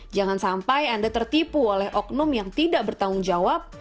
jangan sampai anda tertipu oleh oknum yang tidak bertanggung jawab